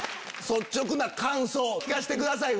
率直な感想聞かせてください